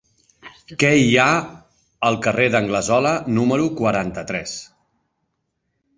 Què hi ha al carrer d'Anglesola número quaranta-tres?